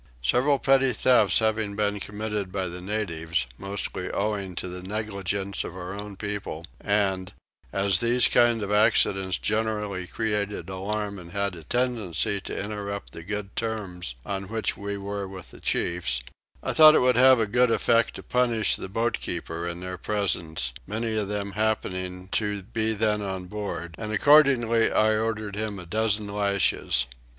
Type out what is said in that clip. Several petty thefts having been committed by the natives, mostly owing to the negligence of our own people and, as these kind of accidents generally created alarm and had a tendency to interrupt the good terms on which we were with the chiefs, I thought it would have a good effect to punish the boat keeper in their presence, many of them happening to be then on board; and accordingly I ordered him a dozen lashes.